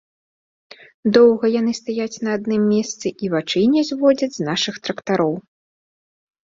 Доўга яны стаяць на адным месцы і вачэй не зводзяць з нашых трактароў.